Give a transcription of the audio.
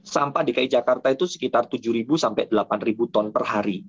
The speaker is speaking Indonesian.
sampah dki jakarta itu sekitar tujuh sampai delapan ton per hari